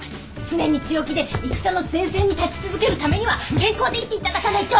常に強気で戦の前線に立ち続けるためには健康でいていただかないと。